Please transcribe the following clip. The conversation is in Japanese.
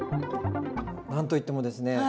何と言ってもですね。